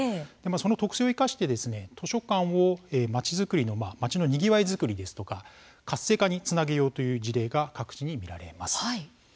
その特性を生かして図書館を町のにぎわい作りですとか活性化につなげようという事例が各地に見られます。